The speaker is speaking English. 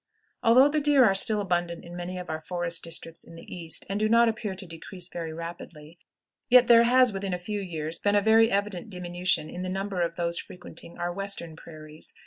Although the deer are still abundant in many of our forest districts in the east, and do not appear to decrease very rapidly, yet there has within a few years been a very evident diminution in the numbers of those frequenting our Western prairies.